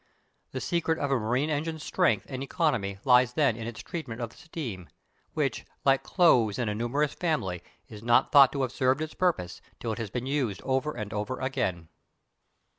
The secret of a marine engine's strength and economy lies then in its treatment of the steam, which, like clothes in a numerous family, is not thought to have served its purpose till it has been used over and over again.